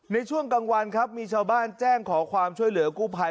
ในช่วงกลางวันครับมีชาวบ้านแจ้งขอความช่วยเหลือกู้ภัย